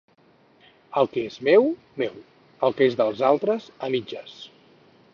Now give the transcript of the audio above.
El que és meu, meu; el que és dels altres, a mitges.